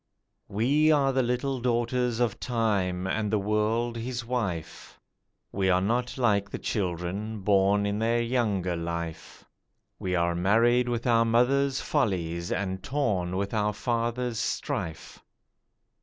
WE are the little daughters of Time and the World his wife, We are not like the children, born in their younger life, We are marred with our mother's follies and torn with our father's strife.